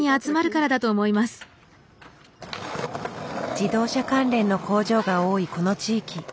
自動車関連の工場が多いこの地域。